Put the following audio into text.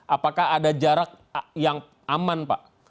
apakah ada jarak yang aman pak